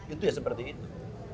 itu ya seperti itu